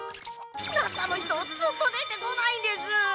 なかのひとずっとでてこないんです！